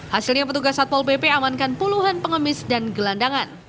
hasilnya petugas satpol pp amankan puluhan pengemis dan gelandangan